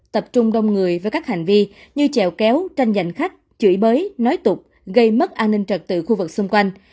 tập trung đông người với các hành vi như chèo kéo tranh giành khách chửi bới nói tục gây mất an ninh trật tự khu vực xung quanh